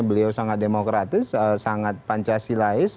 beliau sangat demokratis sangat pancasilais